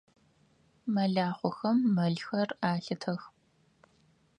Мэлахъохэм мэлхэр алъытэх.